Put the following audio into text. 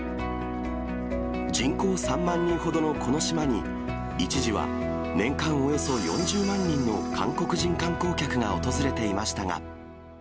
人口３万人ほどのこの島に、一時は年間およそ４０万人の韓国人観光客が訪れていましたが。